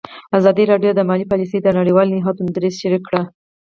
ازادي راډیو د مالي پالیسي د نړیوالو نهادونو دریځ شریک کړی.